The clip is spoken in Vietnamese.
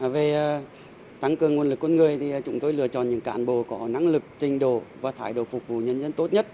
về tăng cường nguồn lực con người thì chúng tôi lựa chọn những cán bộ có năng lực trình độ và thải độ phục vụ nhân dân tốt nhất